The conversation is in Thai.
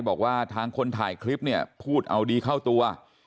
บอกว่าทางคนถ่ายคลิปเนี่ยพูดเอาดีเข้าตัว